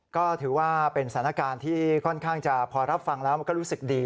ก็ถือว่าเป็นสถานการณ์ที่ค่อนข้างจะพอรับฟังแล้วมันก็รู้สึกดี